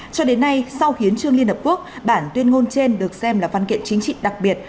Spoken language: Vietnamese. cho đến nay sau hiến trương liên hợp quốc bản tuyên ngôn trên được xem là văn kiện chính trị đặc biệt